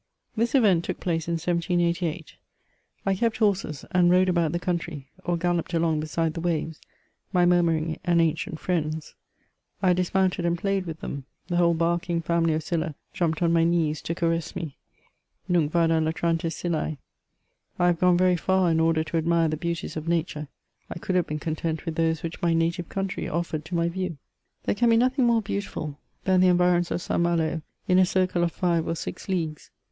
This event took place in 17b8. I kept horses and rode about the country, or galloped along beside the waves, my murmuring and ancient friends ; I dismounted and played with them ; the whole barking family of Scylla jumped on my knees to caress me ; Nunc vada latrantis ScyUcB. I have gone very far in order to admire the beauties of Nature ; I could have been content with those which my native country offered to my view. There can be nothing more beautiful than the environs of Saint Malo, in a circle of five or six leagues.